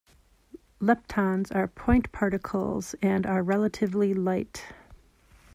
Leptons are point particles and are relatively light.